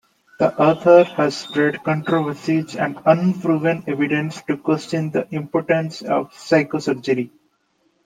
The author has spread controversies and unproven evidence to question the importance of psychosurgery.